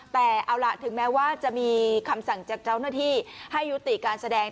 แต่เอาล่ะถึงแม้ว่าจะมีคำสั่งจากเจ้าหน้าที่ให้ยุติการแสดง